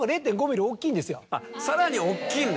さらに大きいんだ。